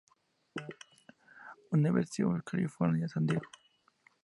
University of California, San Diego.